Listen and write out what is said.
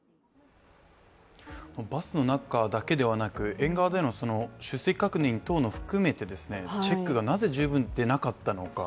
バスの中だけではなく園側での出欠確認等を含めてチェックがなぜ十分でなかったのか。